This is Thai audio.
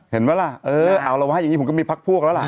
เห็นไหมล่ะเออเอาละวะอย่างนี้ผมก็มีพักพวกแล้วล่ะ